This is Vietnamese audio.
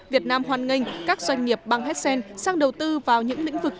việt nam hoan nghênh các doanh nghiệp bang hessen sang đầu tư vào những lĩnh vực